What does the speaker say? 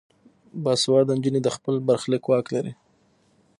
باسواده نجونې د خپل برخلیک واک لري.